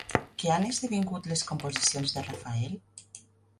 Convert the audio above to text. Què han esdevingut les composicions de Rafael?